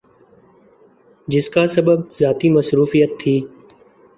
جس کا سبب ذاتی مصروفیت تھی ۔